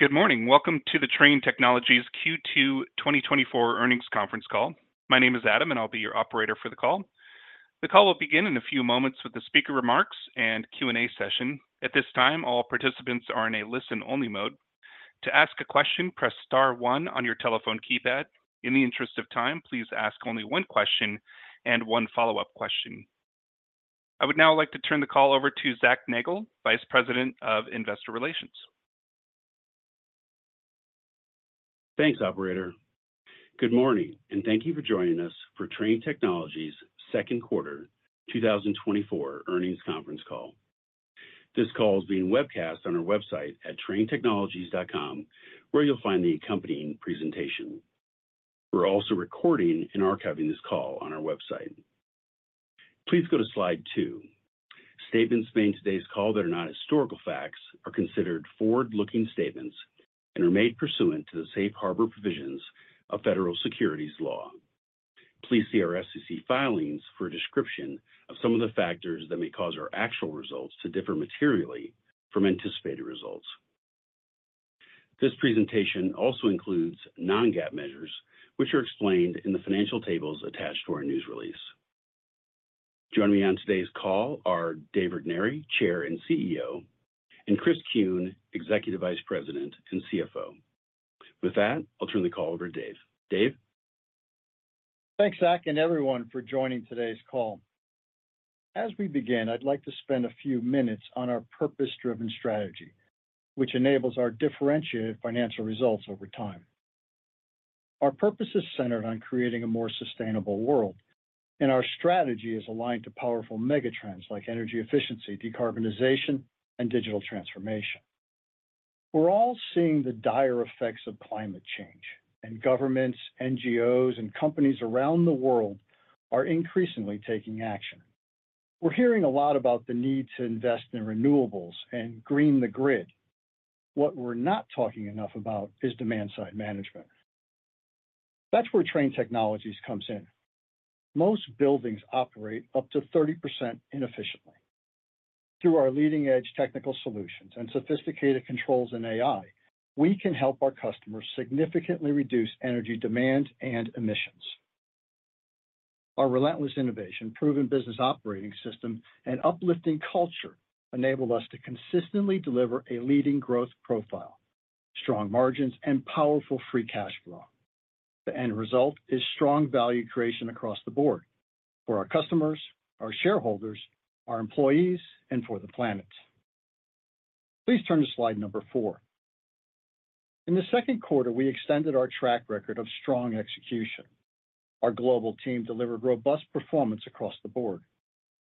Good morning. Welcome to the Trane Technologies Q2 2024 Earnings Conference Call. My name is Adam, and I'll be your operator for the call. The call will begin in a few moments with the speaker remarks and Q&A session. At this time, all participants are in a listen-only mode. To ask a question, press star one on your telephone keypad. In the interest of time, please ask only one question and one follow-up question. I would now like to turn the call over to Zac Nagle, Vice President of Investor Relations. Thanks, operator. Good morning, and thank you for joining us for Trane Technologies' Q2 2024 earnings conference call. This call is being webcast on our website at tranetechnologies.com, where you'll find the accompanying presentation. We're also recording and archiving this call on our website. Please go to slide 2. Statements made in today's call that are not historical facts are considered forward-looking statements and are made pursuant to the safe harbor provisions of federal securities law. Please see our SEC filings for a description of some of the factors that may cause our actual results to differ materially from anticipated results. This presentation also includes non-GAAP measures, which are explained in the financial tables attached to our news release. Joining me on today's call are Dave Regnery, Chair and CEO, and Chris Kuehn, Executive Vice President and CFO. With that, I'll turn the call over to Dave. Dave? Thanks, Zac, and everyone, for joining today's call. As we begin, I'd like to spend a few minutes on our purpose-driven strategy, which enables our differentiated financial results over time. Our purpose is centered on creating a more sustainable world, and our strategy is aligned to powerful megatrends like energy efficiency, decarbonization, and digital transformation. We're all seeing the dire effects of climate change, and governments, NGOs, and companies around the world are increasingly taking action. We're hearing a lot about the need to invest in renewables and green the grid. What we're not talking enough about is demand-side management. That's where Trane Technologies comes in. Most buildings operate up to 30% inefficiently. Through our leading-edge technical solutions and sophisticated controls in AI, we can help our customers significantly reduce energy demand and emissions. Our relentless innovation, proven Business Operating System, and uplifting culture enable us to consistently deliver a leading growth profile, strong margins, and powerful free cash flow. The end result is strong value creation across the board for our customers, our shareholders, our employees, and for the planet. Please turn to slide number 4. In the Q2, we extended our track record of strong execution. Our global team delivered robust performance across the board,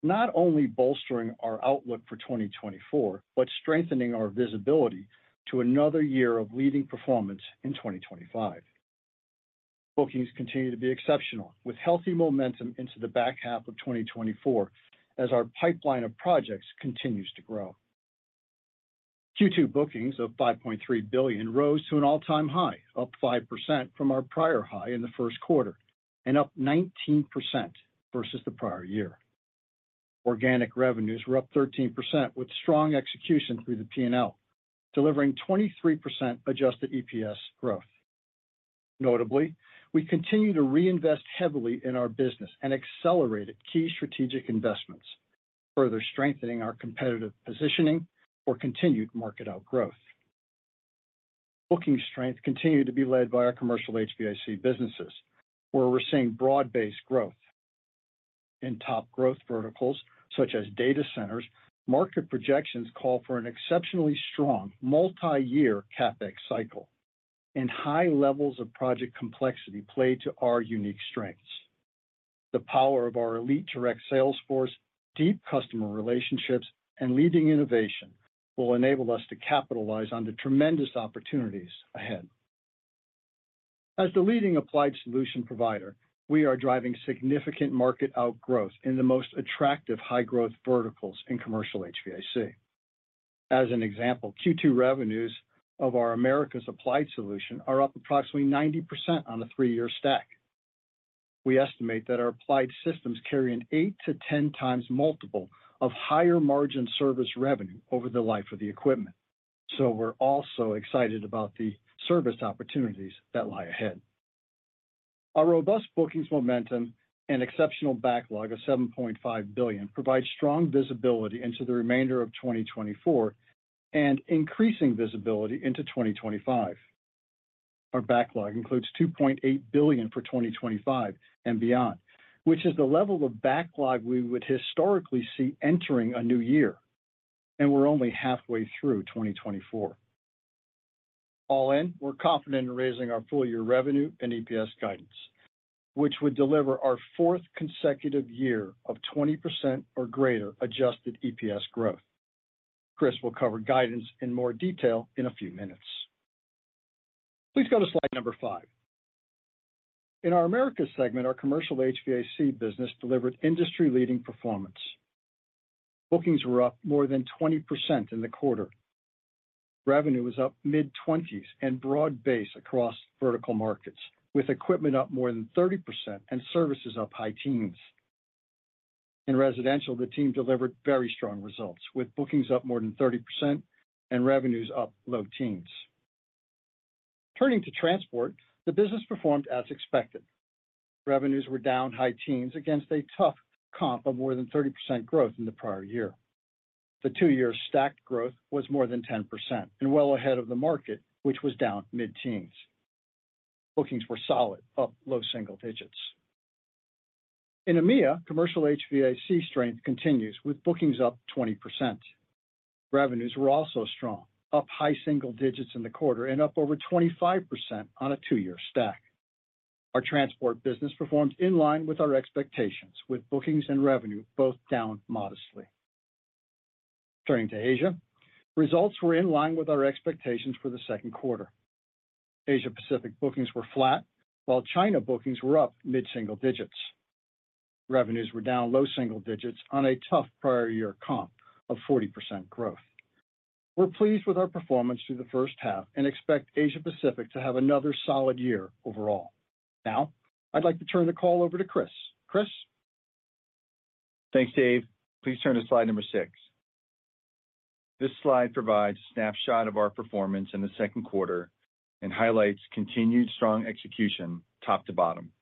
not only bolstering our outlook for 2024, but strengthening our visibility to another year of leading performance in 2025. Bookings continue to be exceptional, with healthy momentum into the back half of 2024 as our pipeline of projects continues to grow. Q2 bookings of $5.3 billion rose to an all-time high, up 5% from our prior high in the Q1 and up 19% versus the prior year. Organic revenues were up 13%, with strong execution through the P&L, delivering 23% adjusted EPS growth. Notably, we continue to reinvest heavily in our business and accelerated key strategic investments, further strengthening our competitive positioning for continued market outgrowth. Booking strength continued to be led by our commercial HVAC businesses, where we're seeing broad-based growth. In top growth verticals, such as data centers, market projections call for an exceptionally strong multi-year CapEx cycle, and high levels of project complexity play to our unique strengths. The power of our elite direct sales force, deep customer relationships, and leading innovation will enable us to capitalize on the tremendous opportunities ahead. As the leading applied solution provider, we are driving significant market outgrowth in the most attractive high-growth verticals in commercial HVAC. As an example, Q2 revenues of our Americas applied solutions are up approximately 90% on a three-year stack. We estimate that our applied systems carry an 8-10 times multiple of higher margin service revenue over the life of the equipment, so we're also excited about the service opportunities that lie ahead. Our robust bookings momentum and exceptional backlog of $7.5 billion provides strong visibility into the remainder of 2024 and increasing visibility into 2025. Our backlog includes $2.8 billion for 2025 and beyond, which is the level of backlog we would historically see entering a new year, and we're only halfway through 2024. All in, we're confident in raising our full-year revenue and EPS guidance, which would deliver our fourth consecutive year of 20% or greater adjusted EPS growth. Chris will cover guidance in more detail in a few minutes. Please go to slide number 5. In our Americas segment, our commercial HVAC business delivered industry-leading performance. Bookings were up more than 20% in the quarter. Revenue was up mid-20s and broad-based across vertical markets, with equipment up more than 30% and services up high teens.... In residential, the team delivered very strong results, with bookings up more than 30% and revenues up low teens. Turning to transport, the business performed as expected. Revenues were down high teens against a tough comp of more than 30% growth in the prior year. The two-year stacked growth was more than 10% and well ahead of the market, which was down mid-teens. Bookings were solid, up low single digits. In EMEA, commercial HVAC strength continues, with bookings up 20%. Revenues were also strong, up high single digits in the quarter and up over 25% on a two-year stack. Our transport business performed in line with our expectations, with bookings and revenue both down modestly. Turning to Asia, results were in line with our expectations for the Q2. Asia Pacific bookings were flat, while China bookings were up mid-single digits. Revenues were down low single digits on a tough prior year comp of 40% growth. We're pleased with our performance through the first half and expect Asia Pacific to have another solid year overall. Now, I'd like to turn the call over to Chris. Chris? Thanks, Dave. Please turn to slide number 6. This slide provides a snapshot of our performance in the Q2 and highlights continued strong execution, top to bottom.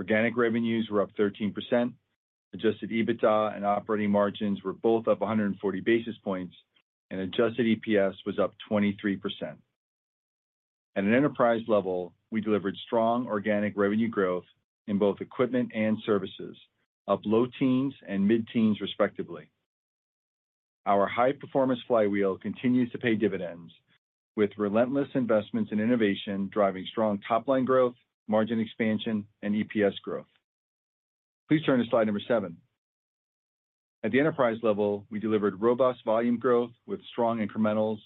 Organic revenues were up 13%, adjusted EBITDA and operating margins were both up 140 basis points, and adjusted EPS was up 23%. At an enterprise level, we delivered strong organic revenue growth in both equipment and services, up low teens and mid-teens, respectively. Our high-performance flywheel continues to pay dividends, with relentless investments in innovation, driving strong top-line growth, margin expansion, and EPS growth. Please turn to slide number 7. At the enterprise level, we delivered robust volume growth with strong incrementals,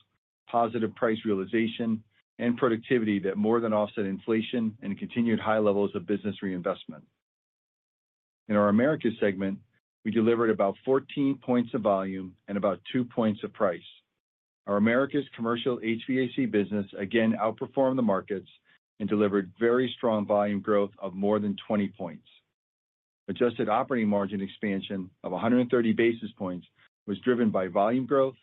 positive price realization, and productivity that more than offset inflation and continued high levels of business reinvestment. In our Americas segment, we delivered about 14 points of volume and about 2 points of price. Our Americas commercial HVAC business again outperformed the markets and delivered very strong volume growth of more than 20 points. Adjusted operating margin expansion of 130 basis points was driven by volume growth,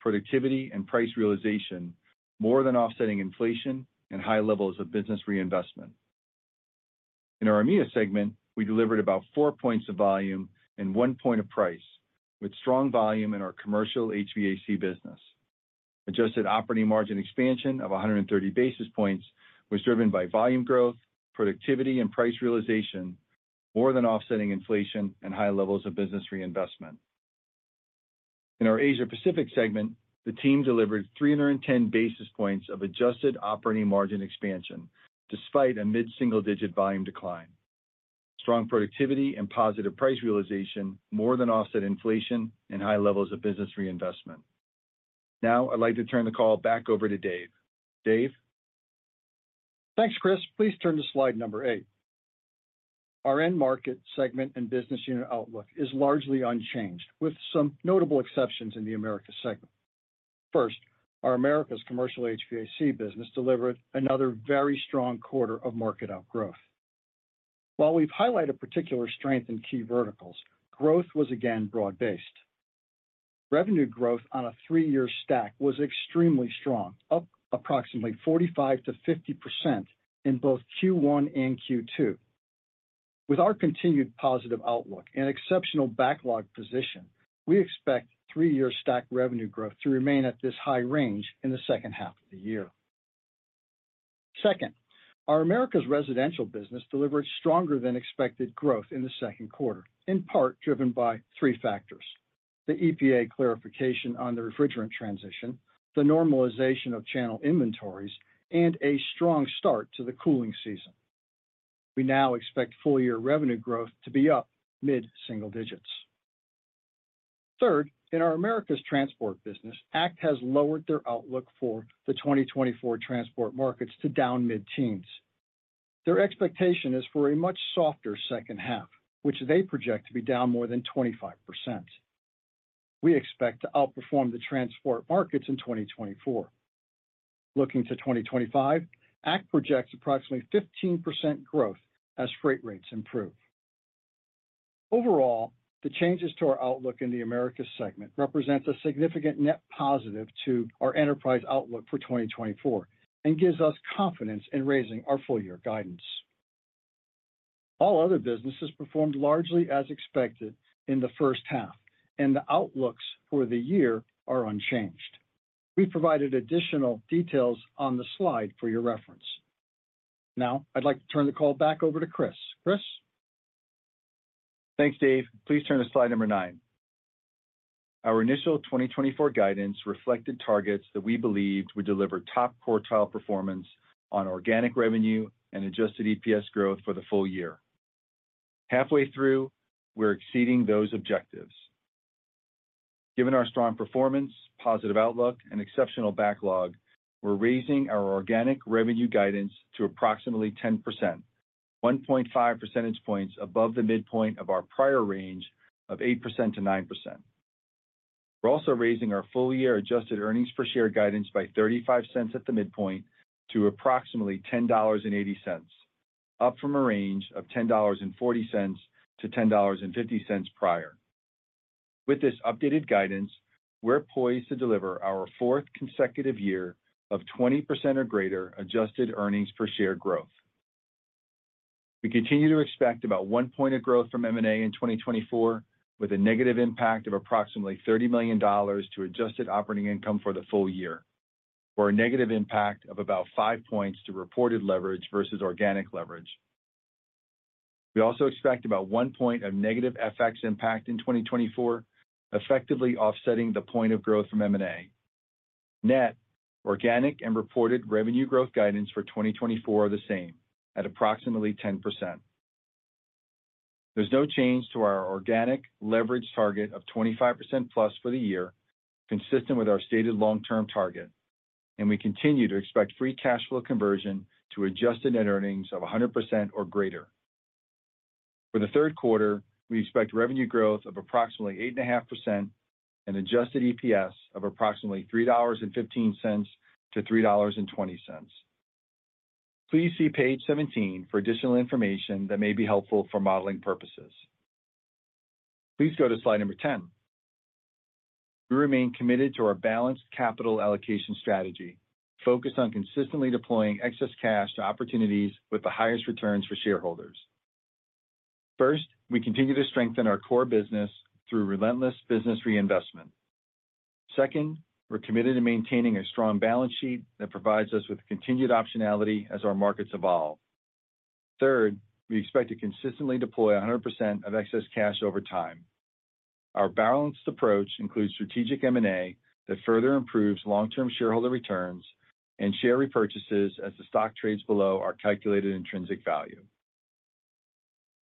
productivity, and price realization, more than offsetting inflation and high levels of business reinvestment. In our EMEA segment, we delivered about 4 points of volume and 1 point of price, with strong volume in our commercial HVAC business. Adjusted operating margin expansion of 130 basis points was driven by volume growth, productivity, and price realization, more than offsetting inflation and high levels of business reinvestment. In our Asia Pacific segment, the team delivered 310 basis points of adjusted operating margin expansion, despite a mid-single-digit volume decline. Strong productivity and positive price realization more than offset inflation and high levels of business reinvestment. Now, I'd like to turn the call back over to Dave. Dave? Thanks, Chris. Please turn to slide number 8. Our end market segment and business unit outlook is largely unchanged, with some notable exceptions in the Americas segment. First, our Americas commercial HVAC business delivered another very strong quarter of market outgrowth. While we've highlighted particular strength in key verticals, growth was again broad-based. Revenue growth on a three-year stack was extremely strong, up approximately 45%-50% in both Q1 and Q2. With our continued positive outlook and exceptional backlog position, we expect three-year stack revenue growth to remain at this high range in the second half of the year. Second, our Americas residential business delivered stronger than expected growth in the Q2, in part driven by three factors: the EPA clarification on the refrigerant transition, the normalization of channel inventories, and a strong start to the cooling season. We now expect full-year revenue growth to be up mid-single digits. Third, in our Americas transport business, ACT has lowered their outlook for the 2024 transport markets to down mid-teens. Their expectation is for a much softer second half, which they project to be down more than 25%. We expect to outperform the transport markets in 2024. Looking to 2025, ACT projects approximately 15% growth as freight rates improve. Overall, the changes to our outlook in the Americas segment represents a significant net positive to our enterprise outlook for 2024 and gives us confidence in raising our full-year guidance. All other businesses performed largely as expected in the first half, and the outlooks for the year are unchanged. We provided additional details on the slide for your reference. Now, I'd like to turn the call back over to Chris. Chris? Thanks, Dave. Please turn to slide number 9. Our initial 2024 guidance reflected targets that we believed would deliver top-quartile performance on organic revenue and adjusted EPS growth for the full year. Halfway through, we're exceeding those objectives. Given our strong performance, positive outlook, and exceptional backlog, we're raising our organic revenue guidance to approximately 10%, 1.5 percentage points above the midpoint of our prior range of 8%-9%. We're also raising our full-year adjusted earnings per share guidance by $0.35 at the midpoint, to approximately $10.80, up from a range of $10.40-$10.50 prior. With this updated guidance, we're poised to deliver our fourth consecutive year of 20% or greater adjusted earnings per share growth. We continue to expect about 1 point of growth from M&A in 2024, with a negative impact of approximately $30 million to adjusted operating income for the full year, or a negative impact of about 5 points to reported leverage versus organic leverage. We also expect about 1 point of negative FX impact in 2024, effectively offsetting the point of growth from M&A. Net, organic, and reported revenue growth guidance for 2024 are the same, at approximately 10%. There's no change to our organic leverage target of 25%+ for the year, consistent with our stated long-term target, and we continue to expect free cash flow conversion to adjusted net earnings of 100% or greater. For the Q3, we expect revenue growth of approximately 8.5% and adjusted EPS of approximately $3.15-$3.20. Please see page 17 for additional information that may be helpful for modeling purposes. Please go to slide 10. We remain committed to our balanced capital allocation strategy, focused on consistently deploying excess cash to opportunities with the highest returns for shareholders. First, we continue to strengthen our core business through relentless business reinvestment. Second, we're committed to maintaining a strong balance sheet that provides us with continued optionality as our markets evolve. Third, we expect to consistently deploy 100% of excess cash over time. Our balanced approach includes strategic M&A that further improves long-term shareholder returns and share repurchases as the stock trades below our calculated intrinsic value.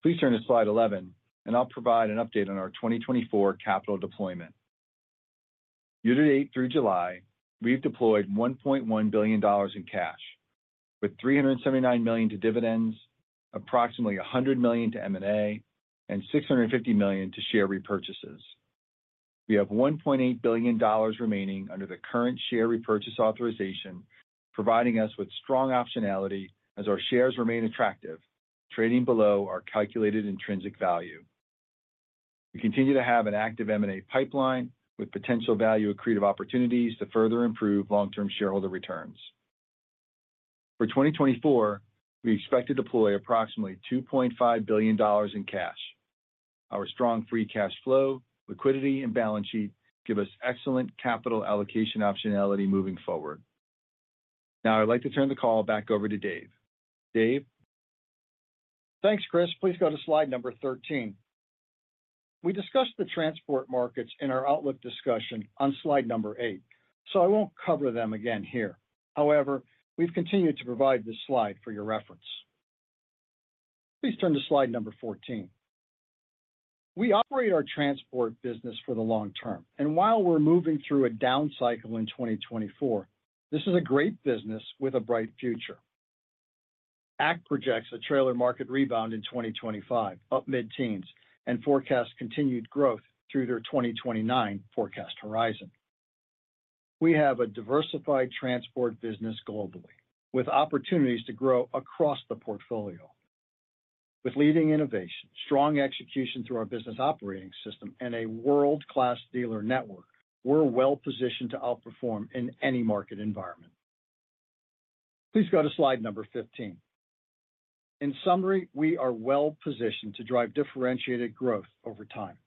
Please turn to slide 11, and I'll provide an update on our 2024 capital deployment. Year-to-date through July, we've deployed $1.1 billion in cash, with $379 million to dividends, approximately $100 million to M&A, and $650 million to share repurchases. We have $1.8 billion remaining under the current share repurchase authorization, providing us with strong optionality as our shares remain attractive, trading below our calculated intrinsic value. We continue to have an active M&A pipeline with potential value accretive opportunities to further improve long-term shareholder returns. For 2024, we expect to deploy approximately $2.5 billion in cash. Our strong free cash flow, liquidity, and balance sheet give us excellent capital allocation optionality moving forward. Now, I'd like to turn the call back over to Dave. Dave? Thanks, Chris. Please go to slide number 13. We discussed the transport markets in our outlook discussion on slide number 8, so I won't cover them again here. However, we've continued to provide this slide for your reference. Please turn to slide number 14. We operate our transport business for the long term, and while we're moving through a down cycle in 2024, this is a great business with a bright future. ACT projects a trailer market rebound in 2025, up mid-teens, and forecasts continued growth through their 2029 forecast horizon. We have a diversified transport business globally, with opportunities to grow across the portfolio. With leading innovation, strong execution through our Business Operating System, and a world-class dealer network, we're well positioned to outperform in any market environment. Please go to slide number 15. In summary, we are well positioned to drive differentiated growth over time.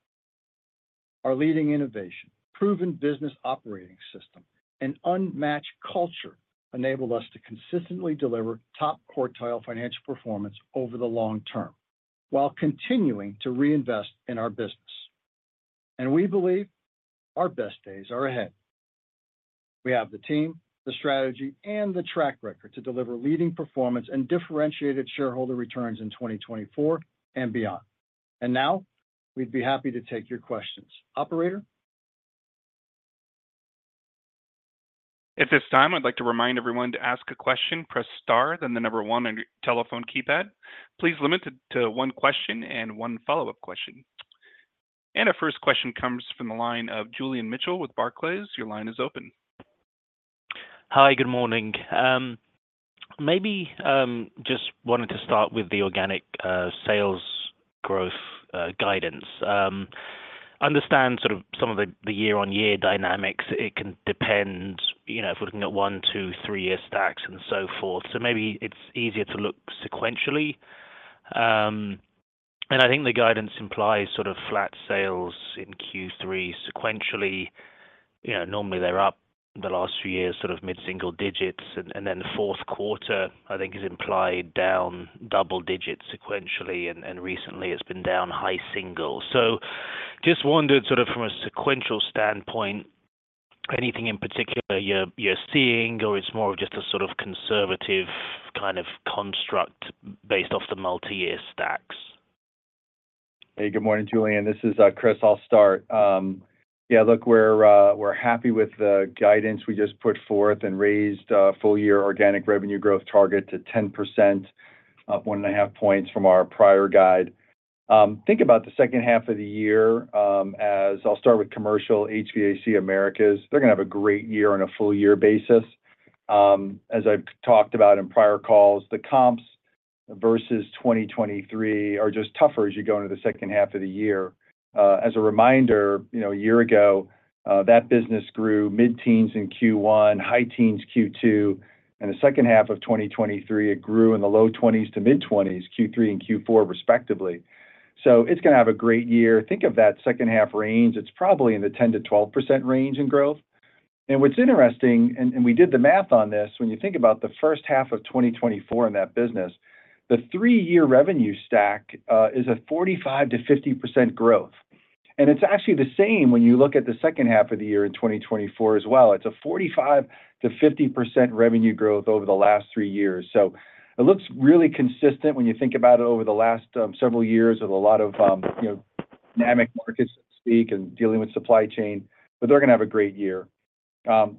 Our leading innovation, proven Business Operating System, and unmatched culture enable us to consistently deliver top-quartile financial performance over the long term while continuing to reinvest in our business. And we believe our best days are ahead. We have the team, the strategy, and the track record to deliver leading performance and differentiated shareholder returns in 2024 and beyond. And now, we'd be happy to take your questions. Operator? At this time, I'd like to remind everyone, to ask a question, press star, then the number one on your telephone keypad. Please limit it to one question and one follow-up question. Our first question comes from the line of Julian Mitchell with Barclays. Your line is open. Hi, good morning. Maybe, just wanted to start with the organic, sales growth, guidance. Understand sort of some of the, the year-on-year dynamics. It can depend, you know, if we're looking at 1, 2, 3-year stacks and so forth, so maybe it's easier to look sequentially. And I think the guidance implies sort of flat sales in Q3 sequentially. You know, normally they're up the last few years, sort of mid-single digits, and, and then the Q4, I think, is implied down double digits sequentially, and, and recently it's been down high single. So just wondered, sort of from a sequential standpoint, anything in particular you're, you're seeing, or it's more of just a sort of conservative kind of construct based off the multiyear stacks? Hey, good morning, Julian. This is Chris. I'll start. Yeah, look, we're happy with the guidance we just put forth and raised full-year organic revenue growth target to 10%, up 1.5 points from our prior guide. Think about the second half of the year, as I'll start with commercial HVAC Americas. They're gonna have a great year on a full year basis. As I've talked about in prior calls, the comps versus 2023 are just tougher as you go into the second half of the year. As a reminder, you know, a year ago, that business grew mid-teens in Q1, high teens Q2, and the second half of 2023, it grew in the low twenties to mid-twenties, Q3 and Q4, respectively. So it's gonna have a great year. Think of that second half range, it's probably in the 10%-12% range in growth. And what's interesting, and we did the math on this, when you think about the first half of 2024 in that business, the three-year revenue stack is a 45%-50% growth. And it's actually the same when you look at the second half of the year in 2024 as well. It's a 45%-50% revenue growth over the last three years. So it looks really consistent when you think about it over the last several years of a lot of, you know, dynamic markets so to speak, and dealing with supply chain, but they're gonna have a great year.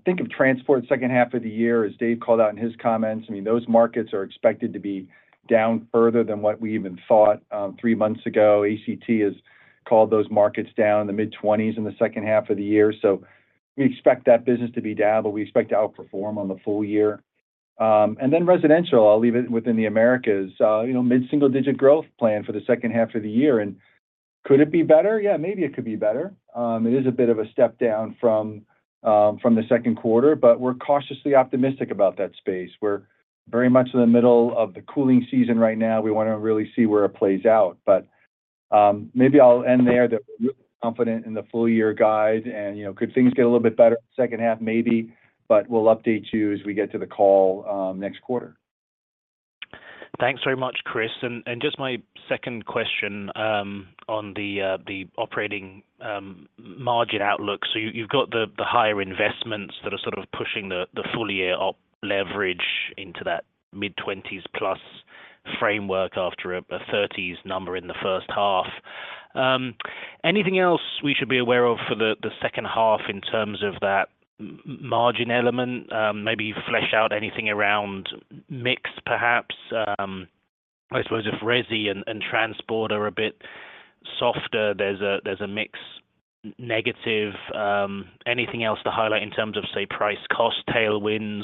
Think of transport second half of the year, as Dave called out in his comments. I mean, those markets are expected to be down further than what we even thought three months ago. ACT has called those markets down in the mid-20s in the second half of the year, so we expect that business to be down, but we expect to outperform on the full year. And then residential, I'll leave it within the Americas. You know, mid-single-digit growth plan for the second half of the year. And could it be better? Yeah, maybe it could be better. It is a bit of a step down from the Q2, but we're cautiously optimistic about that space. We're very much in the middle of the cooling season right now. We wanna really see where it plays out. But maybe I'll end there, that we're confident in the full year guide. You know, could things get a little bit better in the second half? Maybe, but we'll update you as we get to the call, next quarter. Thanks very much, Chris. And just my second question on the operating margin outlook. So you've got the higher investments that are sort of pushing the full year op leverage into that mid-20s+ framework after a 30s number in the first half. Anything else we should be aware of for the second half in terms of that margin element? Maybe flesh out anything around mix, perhaps. I suppose if resi and transport are a bit softer, there's a mix negative. Anything else to highlight in terms of, say, price cost tailwinds?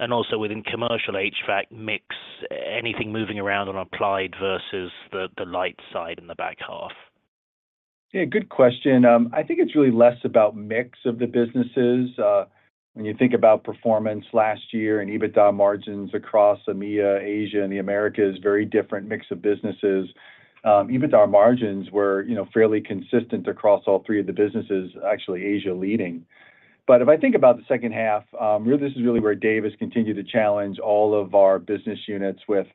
And also within commercial HVAC mix, anything moving around on applied versus the light side in the back half? Yeah, good question. I think it's really less about mix of the businesses. When you think about performance last year and EBITDA margins across EMEA, Asia, and the Americas, very different mix of businesses. EBITDA margins were, you know, fairly consistent across all three of the businesses, actually, Asia leading. But if I think about the second half, really this is really where Dave has continued to challenge all of our business units with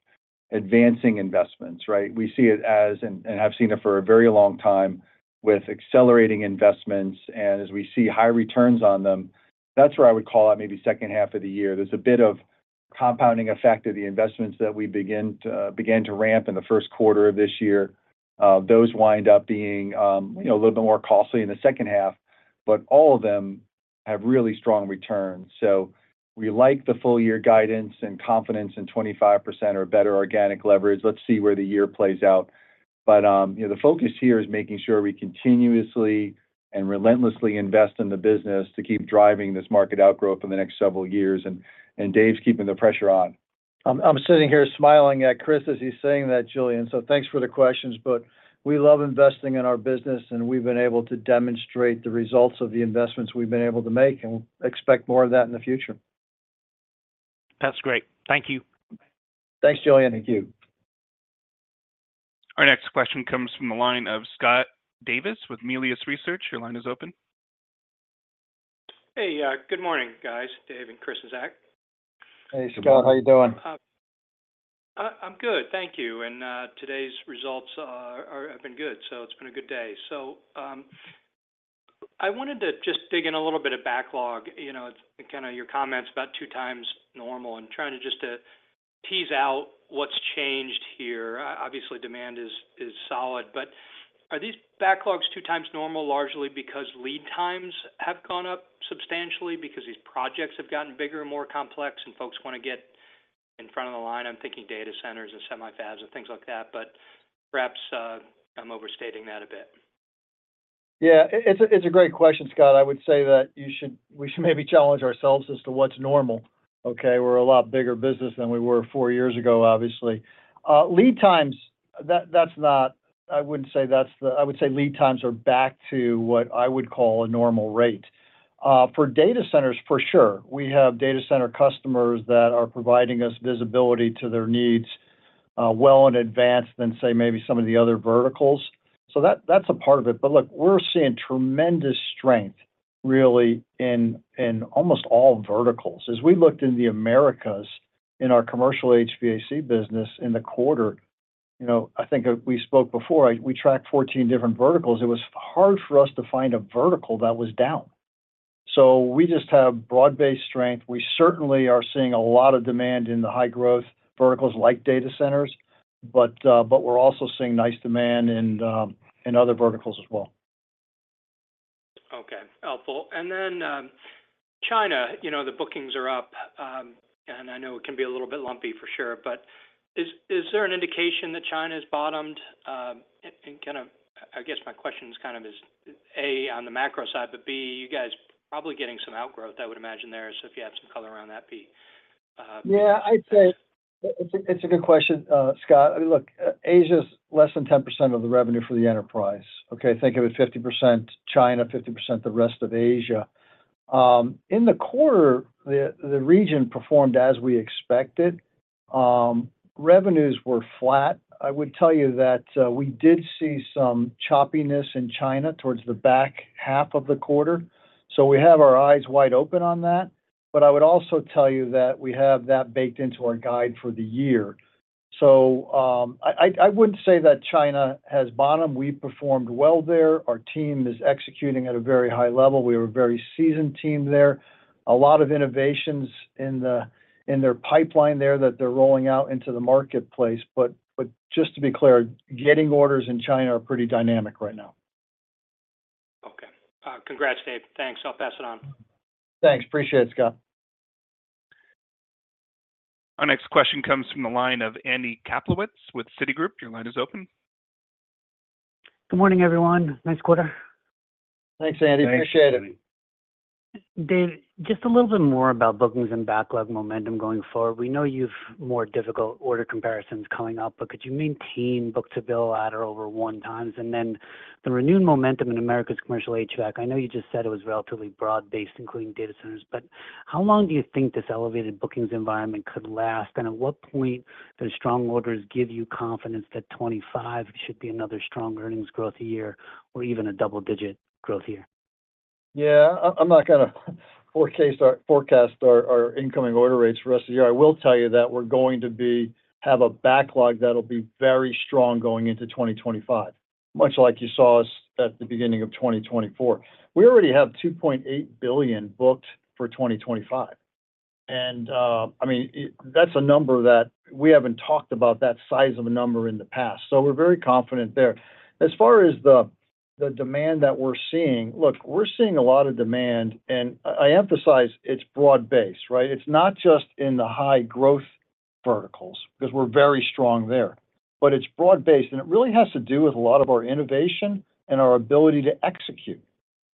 advancing investments, right? We see it as, and, and I've seen it for a very long time, with accelerating investments, and as we see high returns on them, that's where I would call out maybe second half of the year. There's a bit of compounding effect of the investments that we begin to, began to ramp in the Q1 of this year. Those wind up being, you know, a little bit more costly in the second half, but all of them have really strong returns. So we like the full year guidance and confidence in 25% or better organic leverage. Let's see where the year plays out. But, you know, the focus here is making sure we continuously and relentlessly invest in the business to keep driving this market outgrowth in the next several years, and, and Dave's keeping the pressure on. I'm sitting here smiling at Chris as he's saying that, Julian, so thanks for the questions. But we love investing in our business, and we've been able to demonstrate the results of the investments we've been able to make, and expect more of that in the future. That's great. Thank you. Thanks, Julian. Thank you. Our next question comes from the line of Scott Davis with Melius Research. Your line is open. Hey, good morning, guys, Dave and Chris and Zac. Hey, Scott. How you doing? I'm good, thank you. And, today's results have been good, so it's been a good day. So, I wanted to just dig in a little bit of backlog, you know, kind of your comments about two times normal and trying to just tease out what's changed here. Obviously, demand is solid, but are these backlogs two times normal, largely because lead times have gone up substantially, because these projects have gotten bigger and more complex, and folks wanna get in front of the line? I'm thinking data centers and semi fabs and things like that, but perhaps I'm overstating that a bit. Yeah, it's a great question, Scott. I would say that you should, we should maybe challenge ourselves as to what's normal, okay? We're a lot bigger business than we were four years ago, obviously. Lead times, that's not. I wouldn't say that's the. I would say lead times are back to what I would call a normal rate. For data centers, for sure. We have data center customers that are providing us visibility to their needs, well in advance than, say, maybe some of the other verticals. So that's a part of it. But look, we're seeing tremendous strength, really, in almost all verticals. As we looked in the Americas, in our commercial HVAC business in the quarter, you know, I think we spoke before, we tracked 14 different verticals. It was hard for us to find a vertical that was down. We just have broad-based strength. We certainly are seeing a lot of demand in the high-growth verticals like data centers, but we're also seeing nice demand in other verticals as well.... helpful. And then, China, you know, the bookings are up, and I know it can be a little bit lumpy for sure, but is there an indication that China's bottomed? And kind of, I guess my question is kind of A, on the macro side, but B, you guys probably getting some outgrowth, I would imagine there. So if you have some color around that, be- Yeah, I'd say it's a good question, Scott. I mean, look, Asia's less than 10% of the revenue for the enterprise, okay? Think of it 50% China, 50% the rest of Asia. In the quarter, the region performed as we expected. Revenues were flat. I would tell you that we did see some choppiness in China towards the back half of the quarter, so we have our eyes wide open on that. But I would also tell you that we have that baked into our guide for the year. So, I wouldn't say that China has bottomed. We've performed well there. Our team is executing at a very high level. We have a very seasoned team there. A lot of innovations in their pipeline there that they're rolling out into the marketplace, but just to be clear, getting orders in China are pretty dynamic right now. Okay. Congrats, Dave. Thanks. I'll pass it on. Thanks. Appreciate it, Scott. Our next question comes from the line of Andy Kaplowitz with Citigroup. Your line is open. Good morning, everyone. Nice quarter. Thanks, Andy. Appreciate it. Thanks, Andy. Dave, just a little bit more about bookings and backlog momentum going forward. We know you've more difficult order comparisons coming up, but could you maintain book-to-bill level over 1x? And then the renewed momentum in America's commercial HVAC, I know you just said it was relatively broad-based, including data centers, but how long do you think this elevated bookings environment could last? And at what point do strong orders give you confidence that 2025 should be another strong earnings growth year or even a double-digit growth year? Yeah, I'm not gonna forecast our incoming order rates for the rest of the year. I will tell you that we're going to have a backlog that'll be very strong going into 2025, much like you saw us at the beginning of 2024. We already have $2.8 billion booked for 2025, and I mean, that's a number that we haven't talked about that size of a number in the past, so we're very confident there. As far as the demand that we're seeing, look, we're seeing a lot of demand, and I emphasize it's broad-based, right? It's not just in the high-growth verticals, 'cause we're very strong there, but it's broad-based, and it really has to do with a lot of our innovation and our ability to execute.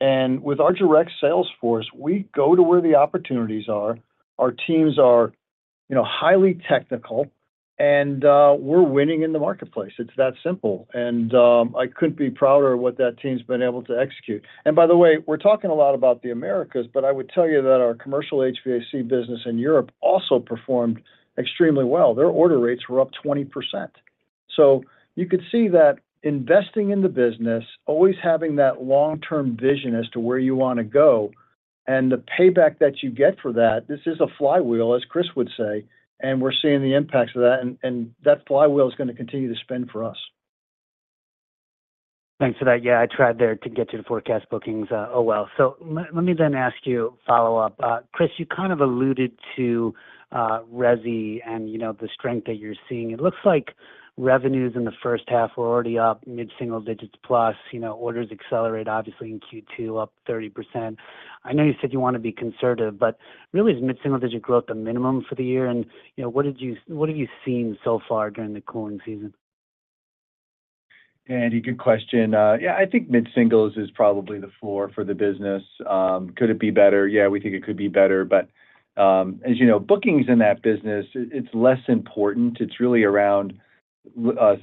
With our direct sales force, we go to where the opportunities are. Our teams are, you know, highly technical, and we're winning in the marketplace. It's that simple, and I couldn't be prouder of what that team's been able to execute. By the way, we're talking a lot about the Americas, but I would tell you that our commercial HVAC business in Europe also performed extremely well. Their order rates were up 20%. So you could see that investing in the business, always having that long-term vision as to where you wanna go, and the payback that you get for that, this is a flywheel, as Chris would say, and we're seeing the impacts of that, and that flywheel is gonna continue to spin for us. Thanks for that. Yeah, I tried there to get you to forecast bookings. Oh, well. So let me then ask you a follow-up. Chris, you kind of alluded to resi and, you know, the strength that you're seeing. It looks like revenues in the first half were already up mid-single digits plus, you know, orders accelerate, obviously, in Q2, up 30%. I know you said you want to be conservative, but really, is mid-single-digit growth a minimum for the year? And, you know, what did you—what have you seen so far during the cooling season? Andy, good question. Yeah, I think mid-singles is probably the floor for the business. Could it be better? Yeah, we think it could be better, but, as you know, bookings in that business, it's less important. It's really around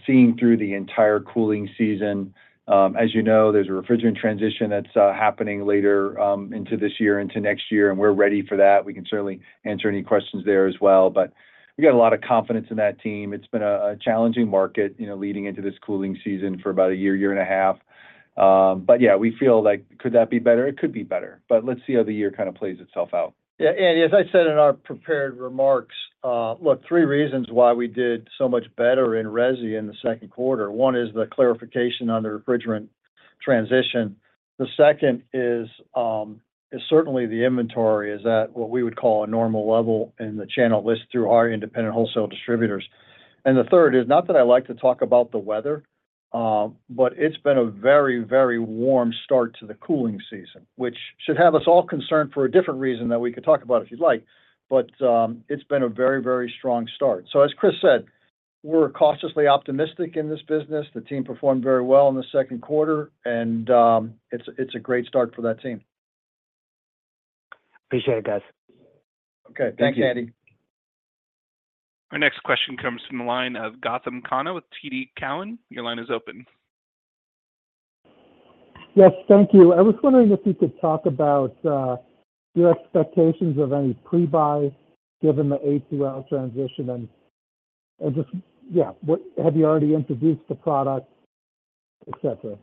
seeing through the entire cooling season. As you know, there's a refrigerant transition that's happening later, into this year, into next year, and we're ready for that. We can certainly answer any questions there as well, but we got a lot of confidence in that team. It's been a challenging market, you know, leading into this cooling season for about a year, year and a half. But yeah, we feel like could that be better? It could be better, but let's see how the year kind of plays itself out. Yeah, and as I said in our prepared remarks, look, three reasons why we did so much better in resi in the Q2. One is the clarification on the refrigerant transition. The second is certainly the inventory is at what we would call a normal level in the channel, at least, through our independent wholesale distributors. And the third is, not that I like to talk about the weather, but it's been a very, very warm start to the cooling season, which should have us all concerned for a different reason that we could talk about if you'd like. But, it's been a very, very strong start. So as Chris said, we're cautiously optimistic in this business. The team performed very well in the Q2, and, it's a great start for that team. Appreciate it, guys. Okay. Thanks, Andy. Our next question comes from the line of Gautam Khanna with TD Cowen. Your line is open. Yes, thank you. I was wondering if you could talk about your expectations of any pre-buy, given the A2L transition, and just... Yeah, what have you already introduced the product, et cetera?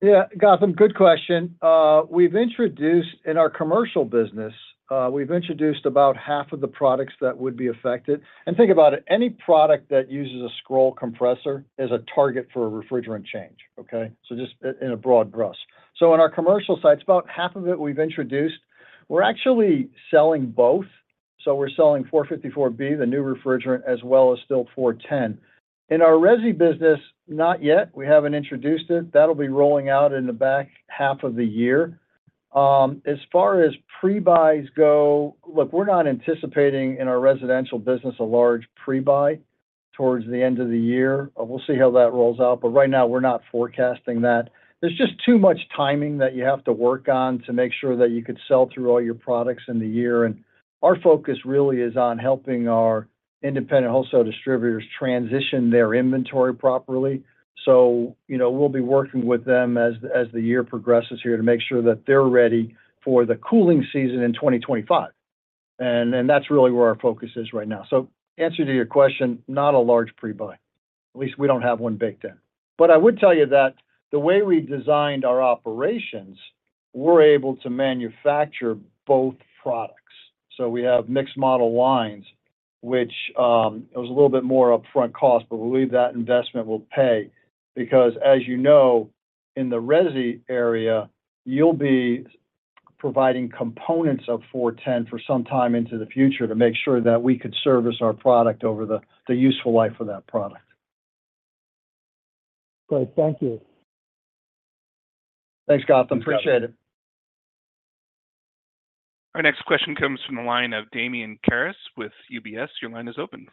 Yeah, Gautam, good question. We've introduced in our commercial business we've introduced about half of the products that would be affected. And think about it, any product that uses a scroll compressor is a target for a refrigerant change, okay? So just in a broad brush. So in our commercial side, it's about half of it we've introduced. We're actually selling both. So we're selling 454B, the new refrigerant, as well as still 410A. In our resi business, not yet. We haven't introduced it. That'll be rolling out in the back half of the year. As far as pre-buys go, look, we're not anticipating in our residential business, a large pre-buy towards the end of the year. We'll see how that rolls out, but right now, we're not forecasting that. There's just too much timing that you have to work on to make sure that you could sell through all your products in the year. And our focus really is on helping our independent wholesale distributors transition their inventory properly. So, you know, we'll be working with them as the year progresses here, to make sure that they're ready for the cooling season in 2025. And that's really where our focus is right now. So answer to your question, not a large pre-buy. At least, we don't have one baked in. But I would tell you that the way we designed our operations, we're able to manufacture both products. So we have mixed model lines, which it was a little bit more upfront cost, but we believe that investment will pay. Because, as you know, in the resi area, you'll be providing components of R-410A for some time into the future to make sure that we could service our product over the useful life of that product. Great. Thank you. Thanks, Gautam. Appreciate it. Our next question comes from the line of Damian Karas with UBS. Your line is open.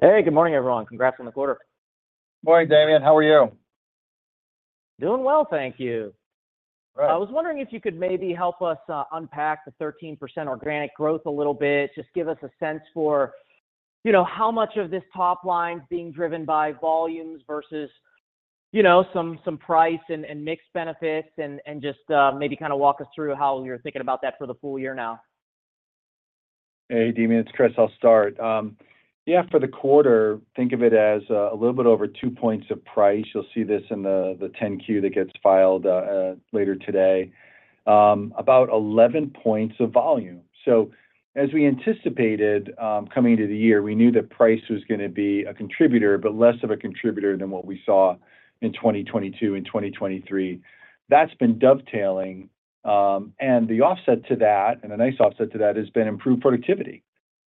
Hey, good morning, everyone. Congrats on the quarter. Good morning, Damian. How are you? Doing well, thank you. Right. I was wondering if you could maybe help us unpack the 13% organic growth a little bit. Just give us a sense for, you know, how much of this top line is being driven by volumes versus, you know, some price and mixed benefits, and just maybe kinda walk us through how you're thinking about that for the full year now. Hey, Damian, it's Chris. I'll start. Yeah, for the quarter, think of it as a little bit over 2 points of price. You'll see this in the 10-Q that gets filed later today. About 11 points of volume. So as we anticipated, coming into the year, we knew that price was gonna be a contributor, but less of a contributor than what we saw in 2022 and 2023. That's been dovetailing, and the offset to that, and a nice offset to that, has been improved productivity.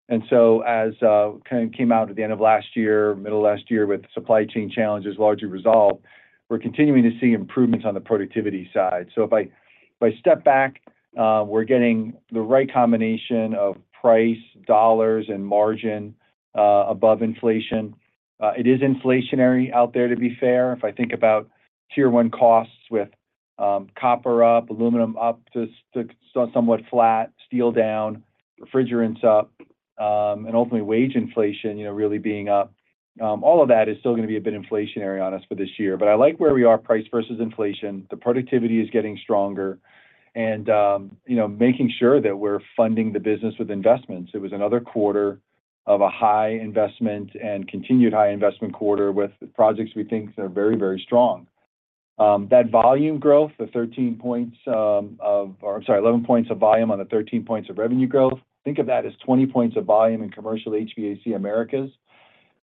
And so as kind of came out at the end of last year, middle of last year with supply chain challenges largely resolved, we're continuing to see improvements on the productivity side. So if I step back, we're getting the right combination of price, dollars, and margin, above inflation. It is inflationary out there, to be fair. If I think about tier one costs with, copper up, aluminum up, just, somewhat flat, steel down, refrigerants up, and ultimately wage inflation, you know, really being up. All of that is still gonna be a bit inflationary on us for this year. But I like where we are, price versus inflation. The productivity is getting stronger and, you know, making sure that we're funding the business with investments. It was another quarter of a high investment and continued high investment quarter with projects we think are very, very strong. That volume growth, the 13 points, of... Or sorry, 11 points of volume on the 13 points of revenue growth. Think of that as 20 points of volume in commercial HVAC Americas.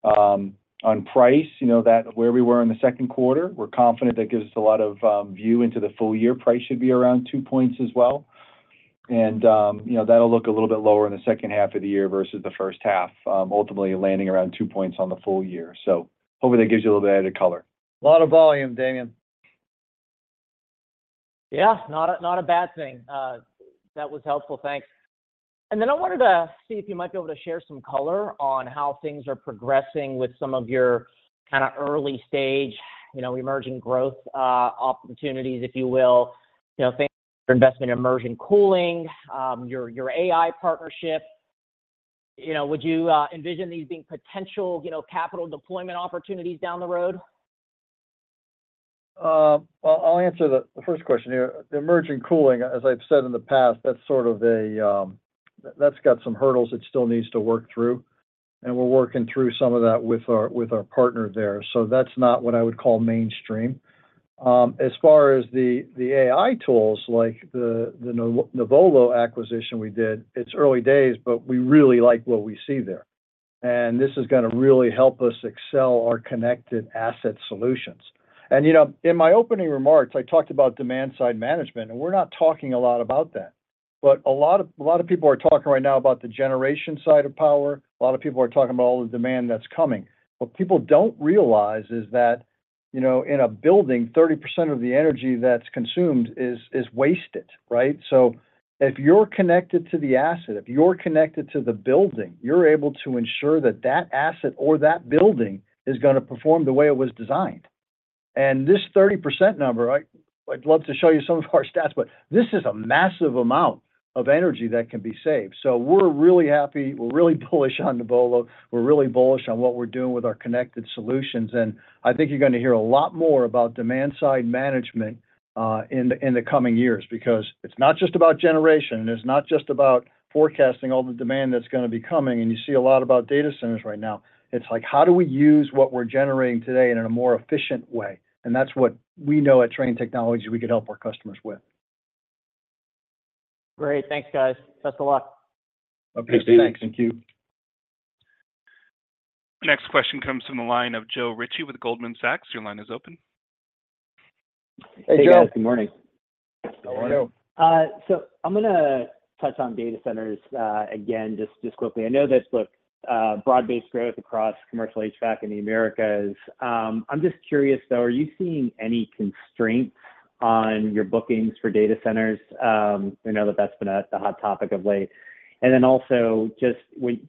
On price, you know that where we were in the Q2, we're confident that gives us a lot of view into the full year. Price should be around 2 points as well. And, you know, that'll look a little bit lower in the second half of the year versus the first half, ultimately landing around 2 points on the full year. So hoping that gives you a little bit of added color. A lot of volume, Damian. Yeah, not a, not a bad thing. That was helpful. Thanks. And then I wanted to see if you might be able to share some color on how things are progressing with some of your kinda early stage, you know, emerging growth opportunities, if you will. You know, things, your investment in immersion cooling, your AI partnership. You know, would you envision these being potential, you know, capital deployment opportunities down the road? Well, I'll answer the first question here. The immersion cooling, as I've said in the past, that's sort of a, that's got some hurdles it still needs to work through, and we're working through some of that with our partner there. So that's not what I would call mainstream. As far as the AI tools, like the Nuvolo acquisition we did, it's early days, but we really like what we see there. And this is gonna really help us excel our connected asset solutions. And, you know, in my opening remarks, I talked about demand side management, and we're not talking a lot about that. But a lot of people are talking right now about the generation side of power, a lot of people are talking about all the demand that's coming. What people don't realize is that, you know, in a building, 30% of the energy that's consumed is wasted, right? So if you're connected to the asset, if you're connected to the building, you're able to ensure that that asset or that building is gonna perform the way it was designed. And this 30% number, I'd love to show you some of our stats, but this is a massive amount of energy that can be saved. So we're really happy. We're really bullish on Nuvolo. We're really bullish on what we're doing with our connected solutions, and I think you're gonna hear a lot more about demand side management in the coming years, because it's not just about generation, and it's not just about forecasting all the demand that's gonna be coming. And you see a lot about data centers right now. It's like, how do we use what we're generating today in a more efficient way? That's what we know at Trane Technologies we could help our customers with. Great. Thanks, guys. Best of luck. Okay, Damian. Thanks. Thank you. The next question comes from the line of Joe Ritchie with Goldman Sachs. Your line is open. Hey, Joe. Hey, guys. Good morning. How are you? So I'm gonna touch on data centers again, just quickly. I know this, look, broad-based growth across commercial HVAC in the Americas. I'm just curious, though, are you seeing any constraint on your bookings for data centers? I know that that's been a hot topic of late. And then also, can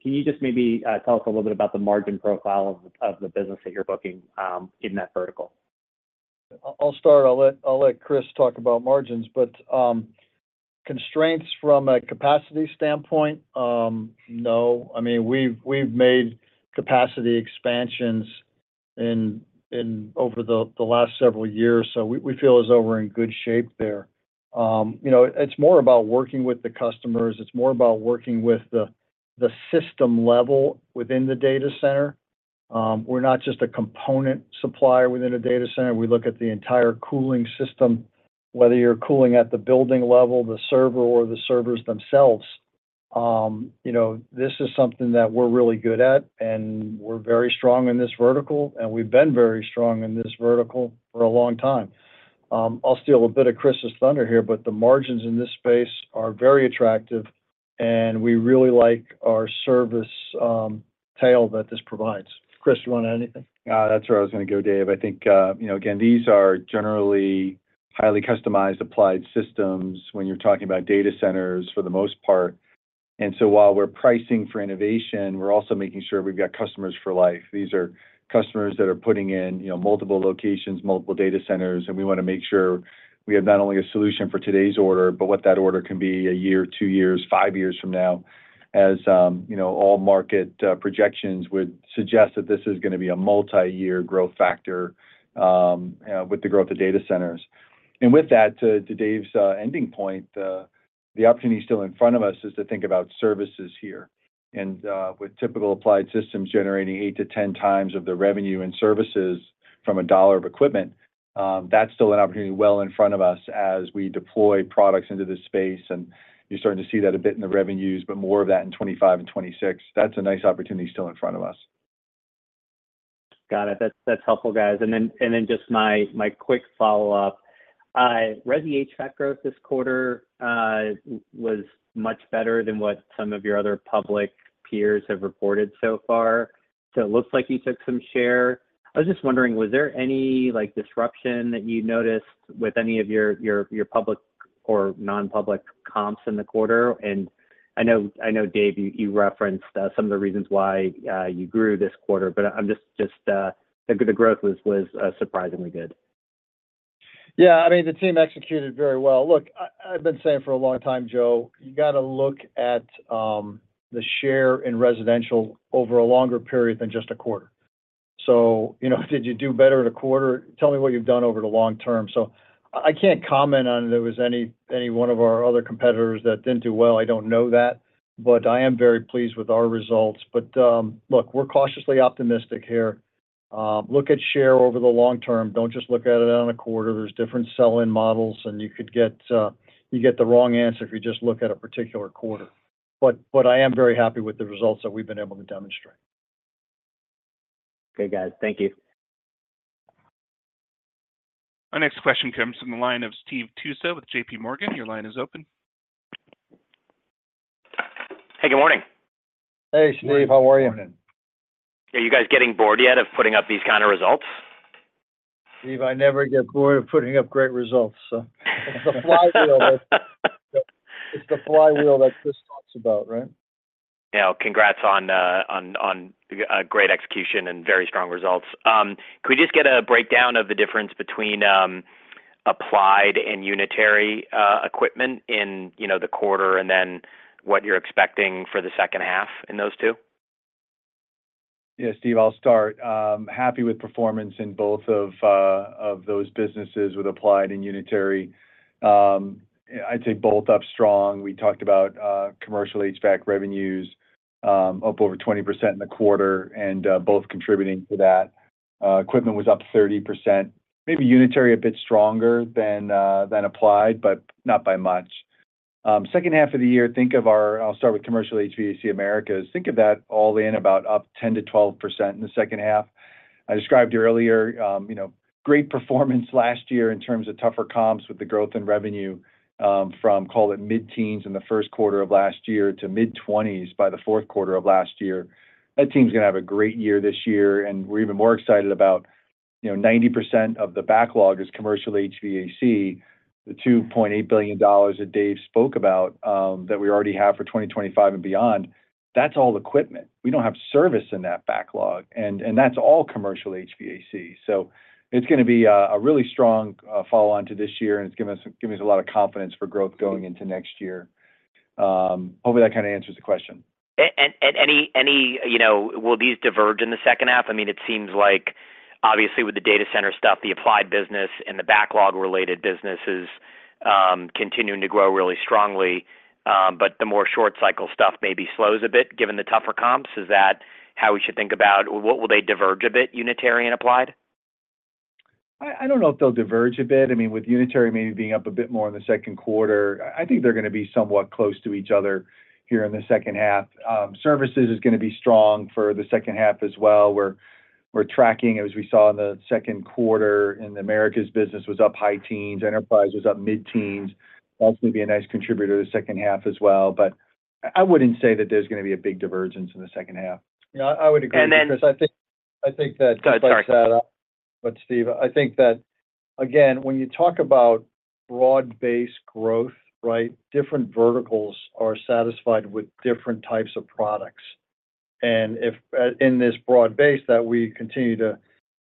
you just maybe tell us a little bit about the margin profile of the business that you're booking in that vertical? I'll start. I'll let Chris talk about margins, but constraints from a capacity standpoint, no. I mean, we've made capacity expansions in over the last several years, so we feel as though we're in good shape there. You know, it's more about working with the customers, it's more about working with the system level within the data center. We're not just a component supplier within a data center, we look at the entire cooling system, whether you're cooling at the building level, the server, or the servers themselves. You know, this is something that we're really good at, and we're very strong in this vertical, and we've been very strong in this vertical for a long time. I'll steal a bit of Chris's thunder here, but the margins in this space are very attractive, and we really like our service tail that this provides. Chris, you want to add anything? That's where I was gonna go, Dave. I think, you know, again, these are generally highly customized applied systems when you're talking about data centers, for the most part. And so while we're pricing for innovation, we're also making sure we've got customers for life. These are customers that are putting in, you know, multiple locations, multiple data centers, and we wanna make sure we have not only a solution for today's order, but what that order can be a year, two years, five years from now, as, you know, all market projections would suggest that this is gonna be a multi-year growth factor, with the growth of data centers. And with that, to Dave's ending point, the opportunity still in front of us is to think about services here. And, with typical applied systems generating 8-10 times of the revenue and services from a dollar of equipment, that's still an opportunity well in front of us as we deploy products into this space, and you're starting to see that a bit in the revenues, but more of that in 2025 and 2026. That's a nice opportunity still in front of us. Got it. That's, that's helpful, guys. And then, and then just my, my quick follow-up. I read the HVAC growth this quarter was much better than what some of your other public peers have reported so far, so it looks like you took some share. I was just wondering, was there any, like, disruption that you noticed with any of your, your, your public or non-public comps in the quarter? And I know, I know, Dave, you, you referenced some of the reasons why you grew this quarter, but I'm just, just... The growth was surprisingly good. Yeah, I mean, the team executed very well. Look, I've been saying for a long time, Joe, you gotta look at the share in residential over a longer period than just a quarter. So, you know, did you do better in a quarter? Tell me what you've done over the long term. So I can't comment on if there was any one of our other competitors that didn't do well. I don't know that, but I am very pleased with our results. But look, we're cautiously optimistic here. Look at share over the long term. Don't just look at it on a quarter. There's different sell-in models, and you could get you get the wrong answer if you just look at a particular quarter. But I am very happy with the results that we've been able to demonstrate. Okay, guys. Thank you. Our next question comes from the line of Steve Tusa with JPMorgan. Your line is open. Hey, good morning. Hey, Steve. How are you? Good morning. Are you guys getting bored yet of putting up these kind of results? Steve, I never get bored of putting up great results, so- It's the flywheel that- It's the flywheel that Chris talks about, right? Yeah. Congrats on a great execution and very strong results. Can we just get a breakdown of the difference between applied and unitary equipment in, you know, the quarter, and then what you're expecting for the second half in those two? Yeah, Steve, I'll start. Happy with performance in both of those businesses, with applied and unitary. I'd say both up strong. We talked about commercial HVAC revenues, up over 20% in the quarter, and both contributing to that. Equipment was up 30%, maybe unitary a bit stronger than applied, but not by much. Second half of the year, think of our... I'll start with commercial HVAC Americas. Think of that all in about up 10%-12% in the second half. I described earlier, you know, great performance last year in terms of tougher comps with the growth in revenue, from, call it, mid-teens in the Q1 of last year to mid-twenties by the Q4 of last year. That team's gonna have a great year this year, and we're even more excited about, you know, 90% of the backlog is commercial HVAC. The $2.8 billion that Dave spoke about that we already have for 2025 and beyond, that's all equipment. We don't have service in that backlog, and that's all commercial HVAC. So it's gonna be a really strong follow-on to this year, and it's giving us a lot of confidence for growth going into next year. Hopefully, that kind of answers the question. You know, will these diverge in the second half? I mean, it seems like, obviously, with the data center stuff, the applied business and the backlog-related businesses continuing to grow really strongly, but the more short cycle stuff maybe slows a bit, given the tougher comps. Is that how we should think about? Will they diverge a bit, unitary and applied?... I don't know if they'll diverge a bit. I mean, with unitary maybe being up a bit more in the Q2, I think they're gonna be somewhat close to each other here in the second half. Services is gonna be strong for the second half as well. We're tracking, as we saw in the Q2, and the Americas business was up high teens, enterprise was up mid-teens. That's gonna be a nice contributor to the second half as well, but I wouldn't say that there's gonna be a big divergence in the second half. Yeah, I would agree- And then- because I think that Go, sorry... But Steve, I think that, again, when you talk about broad-based growth, right? Different verticals are satisfied with different types of products. And if in this broad base that we continue to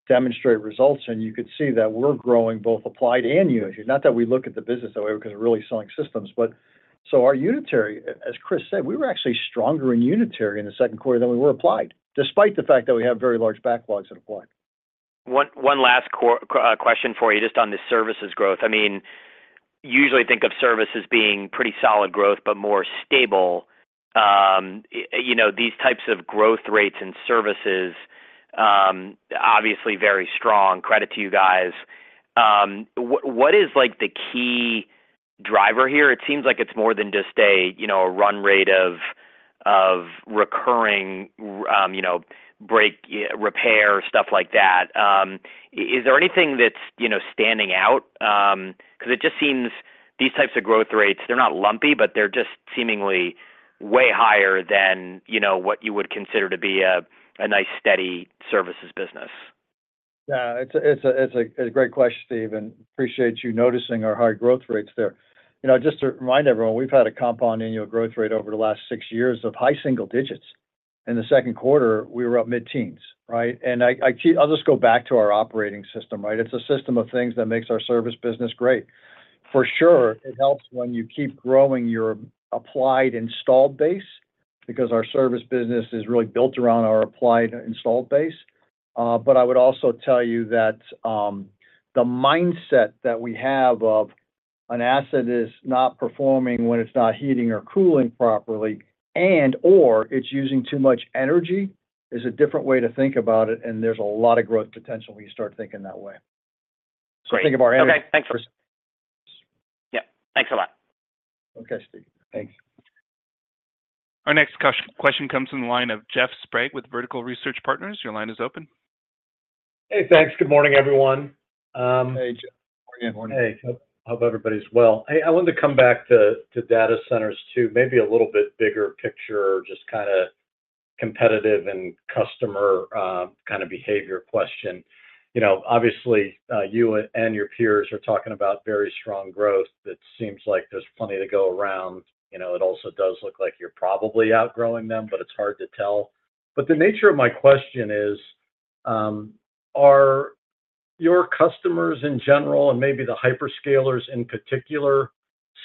demonstrate results, and you could see that we're growing both applied and unit. Not that we look at the business that way, because we're really selling systems. But so our unitary, as Chris said, we were actually stronger in unitary in the Q2 than we were applied, despite the fact that we have very large backlogs in applied. One last question for you, just on the services growth. I mean, usually think of service as being pretty solid growth, but more stable. You know, these types of growth rates and services, obviously, very strong, credit to you guys. What, what is, like, the key driver here? It seems like it's more than just a, you know, a run rate of, of recurring, you know, break, repair, stuff like that. Is there anything that's, you know, standing out? 'Cause it just seems these types of growth rates, they're not lumpy, but they're just seemingly way higher than, you know, what you would consider to be a, a nice, steady services business. Yeah, it's a great question, Steve, and appreciate you noticing our high growth rates there. You know, just to remind everyone, we've had a compound annual growth rate over the last six years of high single digits. In the Q2, we were up mid-teens, right? And I keep. I'll just go back to our operating system, right? It's a system of things that makes our service business great. For sure, it helps when you keep growing your applied installed base, because our service business is really built around our applied installed base. But I would also tell you that the mindset that we have of an asset is not performing when it's not heating or cooling properly, and/or it's using too much energy, is a different way to think about it, and there's a lot of growth potential when you start thinking that way. Great. Think of our- Okay, thanks. Yeah, thanks a lot. Okay, Steve. Thanks. Our next question comes from the line of Jeff Sprague, with Vertical Research Partners. Your line is open. Hey, thanks. Good morning, everyone. Hey, Jeff. Morning. Hey, hope everybody's well. I wanted to come back to data centers, to maybe a little bit bigger picture, just kinda competitive and customer kind of behavior question. You know, obviously, you and your peers are talking about very strong growth. It seems like there's plenty to go around. You know, it also does look like you're probably outgrowing them, but it's hard to tell. But the nature of my question is, are your customers, in general, and maybe the hyperscalers in particular,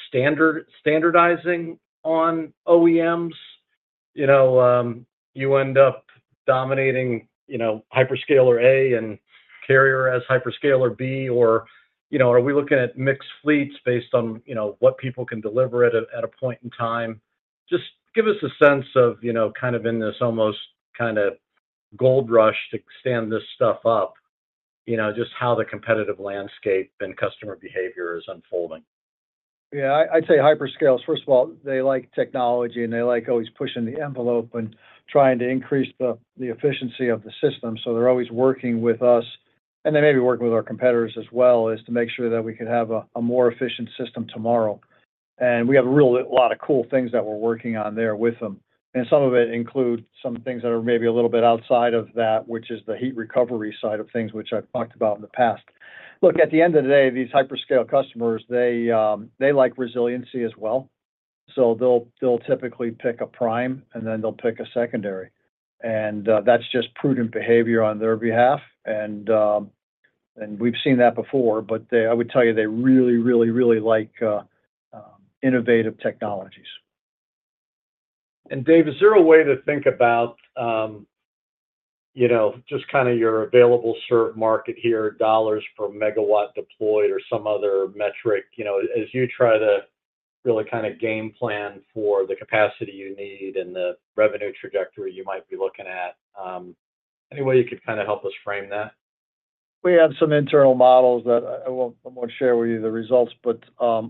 standardizing on OEMs? You know, you end up dominating, you know, hyperscaler A and Carrier has hyperscaler B, or, you know, are we looking at mixed fleets based on, you know, what people can deliver at a point in time? Just give us a sense of, you know, kind of in this almost kind of gold rush to stand this stuff up, you know, just how the competitive landscape and customer behavior is unfolding? Yeah, I'd say hyperscalers. First of all, they like technology, and they like always pushing the envelope and trying to increase the efficiency of the system. So they're always working with us, and they may be working with our competitors as well, as to make sure that we can have a more efficient system tomorrow. And we have a real lot of cool things that we're working on there with them. And some of it include some things that are maybe a little bit outside of that, which is the heat recovery side of things, which I've talked about in the past. Look, at the end of the day, these hyperscaler customers, they like resiliency as well. So they'll typically pick a prime, and then they'll pick a secondary. That's just prudent behavior on their behalf. And we've seen that before, but they, I would tell you, they really, really, really like innovative technologies. Dave, is there a way to think about, you know, just kind of your available service market here, dollars per megawatt deployed or some other metric, you know, as you try to really kind of game plan for the capacity you need and the revenue trajectory you might be looking at, any way you could kind of help us frame that? We have some internal models that I won't, I won't share with you the results. But,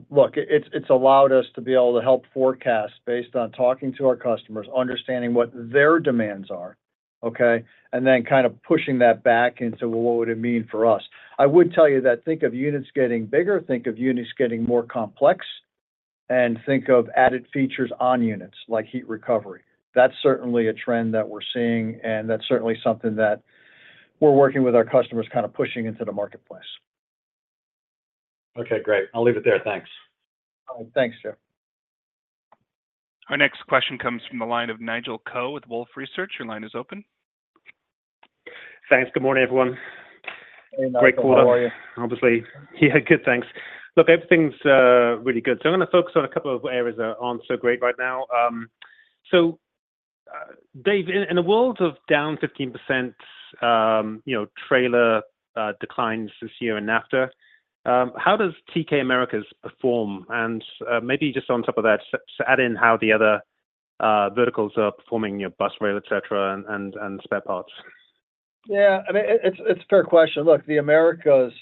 look, it's, it's allowed us to be able to help forecast based on talking to our customers, understanding what their demands are, okay? And then kind of pushing that back into, well, what would it mean for us? I would tell you that, think of units getting bigger, think of units getting more complex, and think of added features on units, like heat recovery. That's certainly a trend that we're seeing, and that's certainly something that we're working with our customers, kind of pushing into the marketplace. Okay, great. I'll leave it there. Thanks. Thanks, Jeff. Our next question comes from the line of Nigel Coe, with Wolfe Research. Your line is open. Thanks. Good morning, everyone. Hey, Nigel. Great quarter. How are you? Obviously... Yeah, good, thanks. Look, everything's really good. So I'm gonna focus on a couple of areas that aren't so great right now. Dave, in a world of down 15%, you know, trailer declines this year in NAFTA, how does TK Americas perform? And, maybe just on top of that, add in how the other verticals are performing, you know, bus, rail, et cetera, and spare parts? Yeah, I mean, it, it's a fair question. Look, the Americas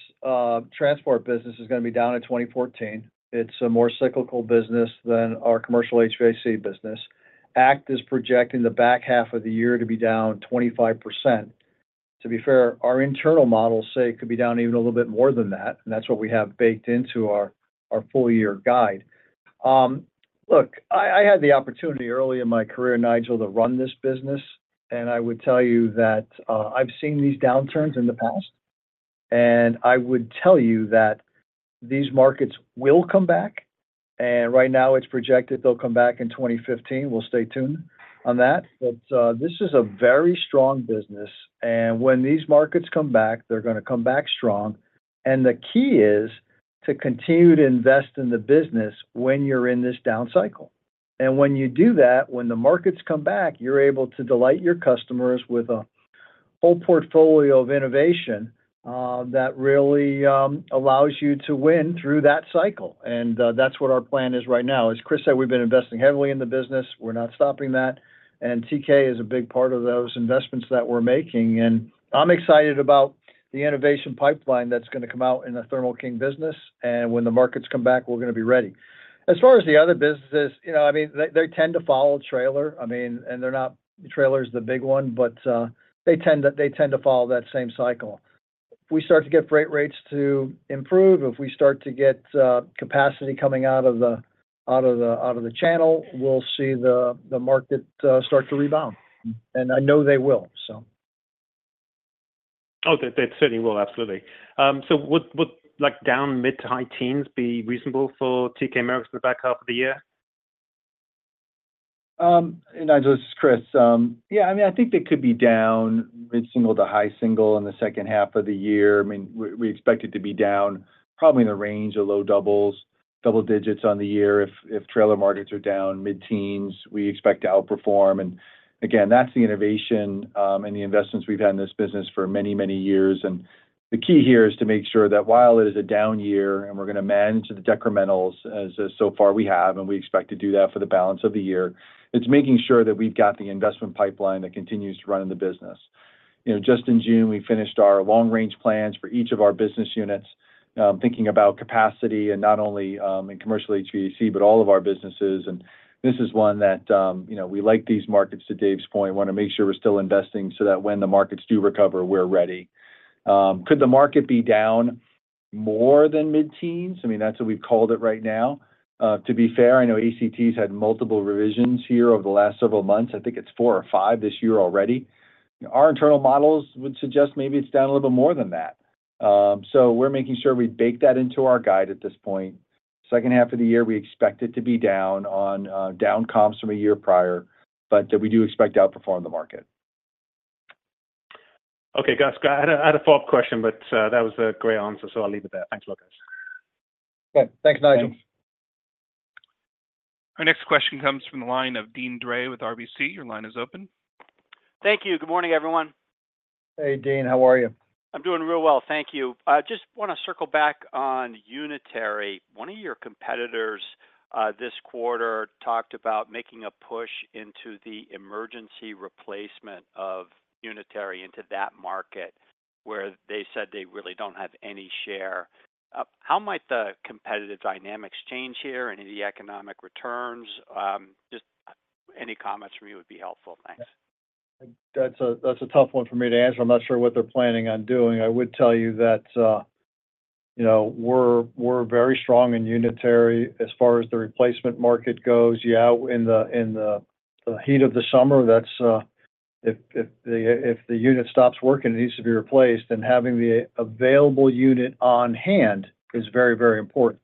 transport business is gonna be down in 2014. It's a more cyclical business than our commercial HVAC business. ACT is projecting the back half of the year to be down 25%. To be fair, our internal models say it could be down even a little bit more than that, and that's what we have baked into our full year guide. Look, I had the opportunity early in my career, Nigel, to run this business, and I would tell you that, I've seen these downturns in the past, and I would tell you that these markets will come back, and right now it's projected they'll come back in 2015. We'll stay tuned on that. But, this is a very strong business, and when these markets come back, they're gonna come back strong. And the key is to continue to invest in the business when you're in this down cycle. And when you do that, when the markets come back, you're able to delight your customers with a whole portfolio of innovation that really allows you to win through that cycle. And, that's what our plan is right now. As Chris said, we've been investing heavily in the business. We're not stopping that, and TK is a big part of those investments that we're making. And I'm excited about the innovation pipeline that's gonna come out in the Thermo King business, and when the markets come back, we're gonna be ready. As far as the other businesses, you know, I mean, they tend to follow trailer. I mean, and they're not, trailer's the big one, but they tend to follow that same cycle. If we start to get freight rates to improve, if we start to get capacity coming out of the channel, we'll see the market start to rebound, and I know they will, so. Oh, they, they certainly will, absolutely. So would, like, down mid to high teens be reasonable for TK Americas in the back half of the year? Nigel, this is Chris. Yeah, I mean, I think they could be down mid-single to high single in the second half of the year. I mean, we, we expect it to be down probably in the range of low doubles, double digits on the year. If, if trailer markets are down mid-teens, we expect to outperform, and again, that's the innovation, and the investments we've had in this business for many, many years. And the key here is to make sure that while it is a down year, and we're gonna manage the decrementals as, as so far we have, and we expect to do that for the balance of the year, it's making sure that we've got the investment pipeline that continues to run in the business. You know, just in June, we finished our long range plans for each of our business units, thinking about capacity and not only, in commercial HVAC, but all of our businesses. And this is one that, you know, we like these markets, to Dave's point. We wanna make sure we're still investing so that when the markets do recover, we're ready. Could the market be down more than mid-teens? I mean, that's what we've called it right now. To be fair, I know ACT's had multiple revisions here over the last several months. I think it's four or five this year already. Our internal models would suggest maybe it's down a little bit more than that. So we're making sure we bake that into our guide at this point. Second half of the year, we expect it to be down on, down comps from a year prior, but, we do expect to outperform the market. Okay, guys. I had a follow-up question, but that was a great answer, so I'll leave it there. Thanks a lot, guys. Okay. Thanks, Nigel. Thanks. Our next question comes from the line of Deane Dray with RBC. Your line is open. Thank you. Good morning, everyone. Hey, Deane. How are you? I'm doing real well. Thank you. I just wanna circle back on unitary. One of your competitors this quarter talked about making a push into the emergency replacement of unitary into that market, where they said they really don't have any share. How might the competitive dynamics change here and the economic returns? Just any comments from you would be helpful. Thanks. That's a tough one for me to answer. I'm not sure what they're planning on doing. I would tell you that, you know, we're very strong in unitary as far as the replacement market goes. Yeah, in the heat of the summer, that's... If the unit stops working, it needs to be replaced, then having the available unit on hand is very, very important.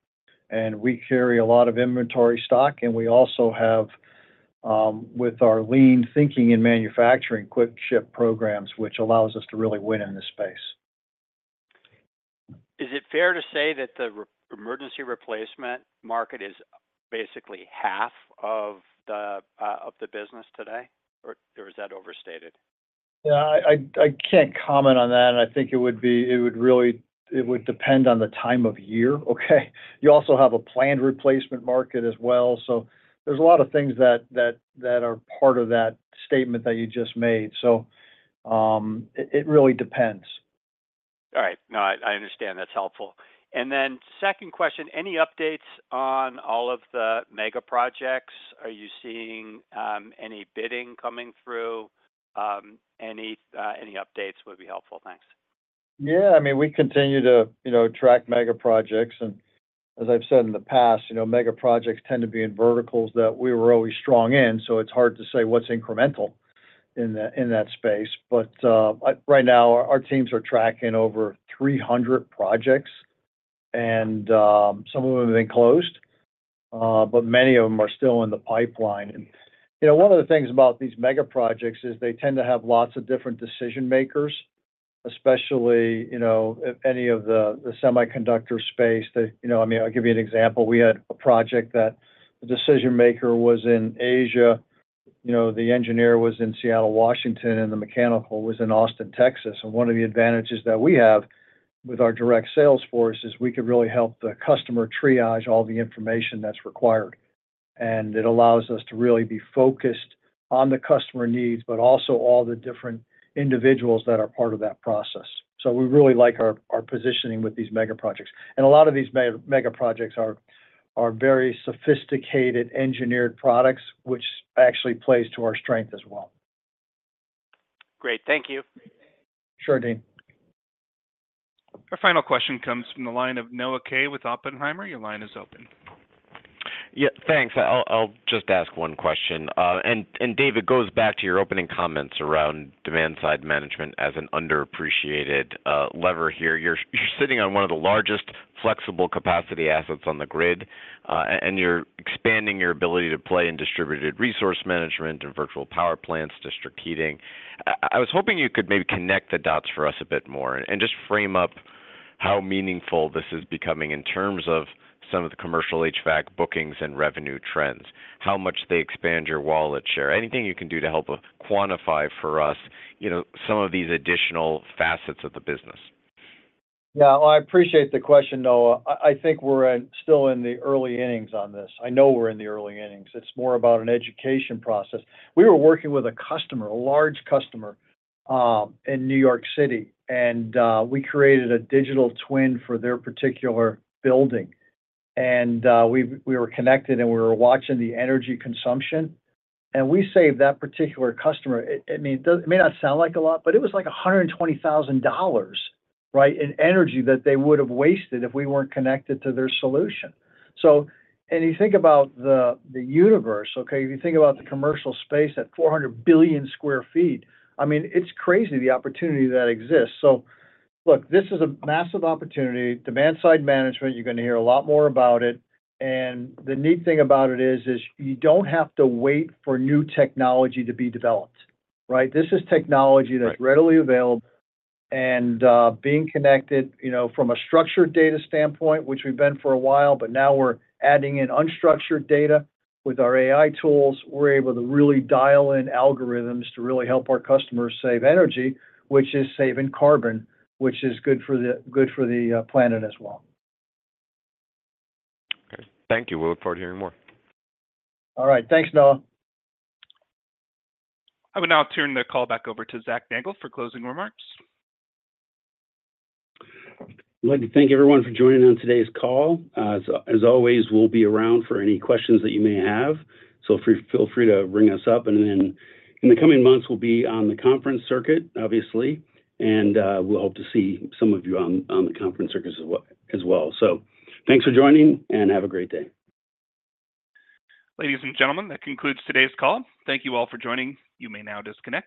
And we carry a lot of inventory stock, and we also have, with our lean thinking in manufacturing, quick ship programs, which allows us to really win in this space. Is it fair to say that the emergency replacement market is basically half of the business today, or is that overstated? Yeah, I can't comment on that, and I think it would be, it would really, it would depend on the time of year, okay? You also have a planned replacement market as well, so there's a lot of things that are part of that statement that you just made. So, it really depends. All right. No, I understand. That's helpful. And then second question, any updates on all of the mega projects? Are you seeing any bidding coming through? Any updates would be helpful. Thanks. Yeah, I mean, we continue to, you know, track mega projects, and as I've said in the past, you know, mega projects tend to be in verticals that we were always strong in, so it's hard to say what's incremental in that, in that space. But right now, our teams are tracking over 300 projects, and some of them have been closed, but many of them are still in the pipeline. And, you know, one of the things about these mega projects is they tend to have lots of different decision-makers, especially, you know, if any of the, the semiconductor space that... You know, I mean, I'll give you an example. We had a project that the decision maker was in Asia, you know, the engineer was in Seattle, Washington, and the mechanical was in Austin, Texas. And one of the advantages that we have-... with our direct sales force is we could really help the customer triage all the information that's required, and it allows us to really be focused on the customer needs, but also all the different individuals that are part of that process. So we really like our positioning with these mega projects. And a lot of these mega projects are very sophisticated, engineered products, which actually plays to our strength as well. Great. Thank you. Sure, Deane. Our final question comes from the line of Noah Kaye with Oppenheimer. Your line is open. Yeah, thanks. I'll just ask one question. And, and Dave, it goes back to your opening comments around demand side management as an underappreciated lever here. You're sitting on one of the largest flexible capacity assets on the grid, and you're expanding your ability to play in distributed resource management and virtual power plants, district heating. I was hoping you could maybe connect the dots for us a bit more and just frame up how meaningful this is becoming in terms of some of the commercial HVAC bookings and revenue trends, how much they expand your wallet share. Anything you can do to help quantify for us, you know, some of these additional facets of the business? Yeah. Well, I appreciate the question, Noah. I think we're still in the early innings on this. I know we're in the early innings. It's more about an education process. We were working with a customer, a large customer, in New York City, and we created a digital twin for their particular building. And we were connected, and we were watching the energy consumption, and we saved that particular customer. I mean, it may not sound like a lot, but it was like $120,000, right, in energy that they would've wasted if we weren't connected to their solution. So, and you think about the universe, okay? If you think about the commercial space at 400 billion sq ft, I mean, it's crazy, the opportunity that exists. So look, this is a massive opportunity. Demand-side management, you're gonna hear a lot more about it, and the neat thing about it is, you don't have to wait for new technology to be developed, right? This is technology- Right... that's readily available. Being connected, you know, from a structured data standpoint, which we've been for a while, but now we're adding in unstructured data with our AI tools, we're able to really dial in algorithms to really help our customers save energy, which is saving carbon, which is good for the, good for the, planet as well. Okay. Thank you. We look forward to hearing more. All right. Thanks, Noah. I will now turn the call back over to Zac Nagle for closing remarks. I'd like to thank everyone for joining on today's call. As always, we'll be around for any questions that you may have, so feel free to ring us up. And then in the coming months, we'll be on the conference circuit, obviously, and we'll hope to see some of you on the conference circuit as well. So thanks for joining, and have a great day. Ladies and gentlemen, that concludes today's call. Thank you all for joining. You may now disconnect.